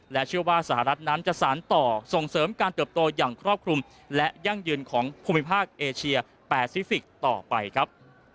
เชื่อว่าสหรัฐนั้นจะสารต่อส่งเสริมการเติบโตอย่างครอบคลุมและยั่งยืนของภูมิภาคเอเชียแปซิฟิกส์ต่อไปครับ